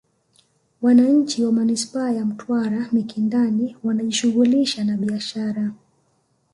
Wananchi wa Manispaa ya Mtwara Mikindani wanajishughulisha na biashara